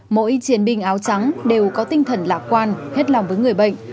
mỗi chiến binh áo trắng đều có tinh thần lạc quan hết lòng với người bệnh